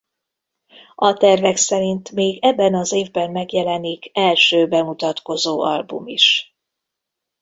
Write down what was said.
A tervek szerint még ebben az évben megjelenik első bemutatkozó album is.